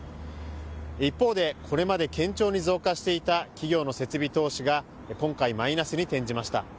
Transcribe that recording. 一方でこれまで堅調に増加していた企業の設備投資が今回、マイナスに転じました。